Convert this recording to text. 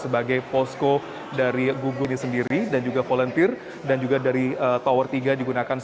baik dari bagaimana